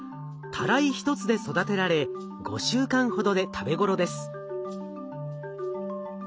たらい１つで育てられ５週間ほどで食べ頃です。